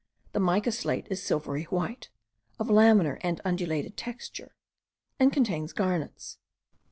The mica slate is silvery white, of lamellar and undulated texture, and contains garnets.